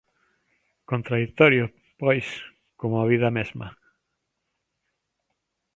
Contraditorio, pois, como a vida mesma.